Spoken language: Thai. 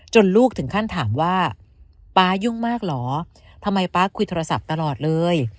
ลูกถึงขั้นถามว่าป๊ายุ่งมากเหรอทำไมป๊าคุยโทรศัพท์ตลอดเลย